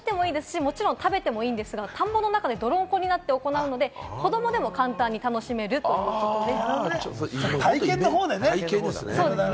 飼育してもいいですし、もちろん食べてもいいんですが、田んぼの中で泥んこになって行うので、子供でも簡単につかめるそうです。